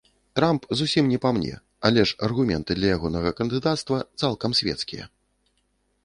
Трамп зусім не па мне, але ж аргументы для ягонага кандыдацтва цалкам свецкія.